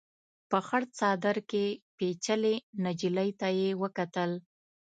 په خړ څادر کې پيچلې نجلۍ ته يې وکتل.